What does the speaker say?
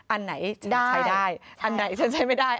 อันไหนใช้ได้อันไหนใช้ไม่ได้